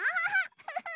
フフフフ！